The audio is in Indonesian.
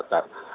terima kasih pak